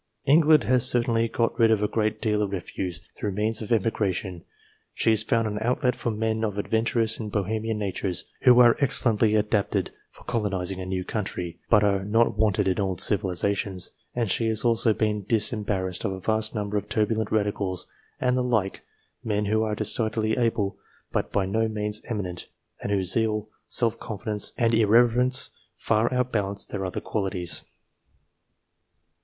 England has certainly got rid of a great deal of refuse through means of emigration. She has found an NATURAL ABILITY OF NATIONS 347 outlet for men of adventurous and Bohemian natures, who are excellently adapted for colonizing a new country, but are not wanted in old civilizations; and she has also been disembarrassed of a vast number of turbulent radicals and the like, men who are decidedly able but by no means eminent, and whose zeal, self confidence, and irreverence far outbalance their other qualities.